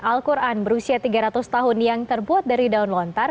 al quran berusia tiga ratus tahun yang terbuat dari daun lontar